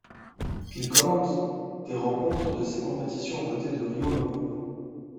Il commente des rencontres de ces compétitions au côté de Rio Mavuba.